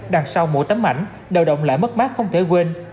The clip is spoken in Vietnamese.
đằng sau mỗi tấm ảnh đều động lại mất mát không thể quên